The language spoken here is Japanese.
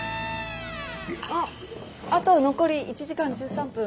あと残り１時間１３分。